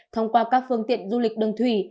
thông qua các phương tiện du lịch đường thủy